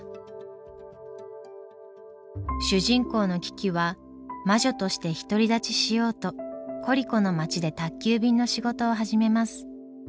主人公のキキは魔女として独り立ちしようとコリコの街で宅急便の仕事を始めます。